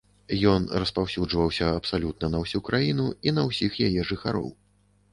Ён распаўсюджваўся абсалютна на ўсю краіну і на ўсіх яе жыхароў.